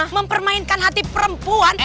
mempermainkan hati perempuan